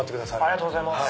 ありがとうございます！